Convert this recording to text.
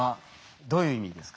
どういう意味ですか？